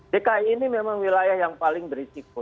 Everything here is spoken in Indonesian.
dki ini memang wilayah yang paling berisiko